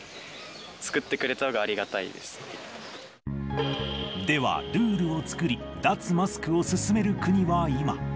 作ってくれたほうがありがたいででは、ルールを作り、脱マスクを進める国は、今。